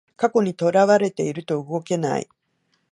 過去にとらわれてると動けない